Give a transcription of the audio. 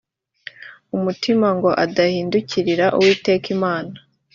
umutima ngo adahindukirira uwiteka imana